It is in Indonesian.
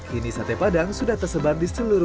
kini sate padang sudah tersebar di seluruh